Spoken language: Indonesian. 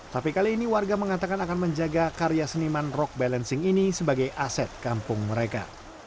tapi kali ini warga mengatakan akan menjaga karya seniman rock balancing ini sebagai aset kampung mereka